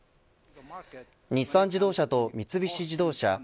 日産自動車と三菱自動車